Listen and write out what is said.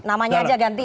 namanya aja ganti